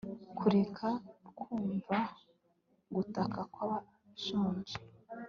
kureka kumva gutaka kw'abashonje